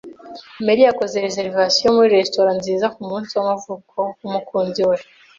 Mary yakoze reservation muri resitora nziza kumunsi wamavuko wumukunzi we.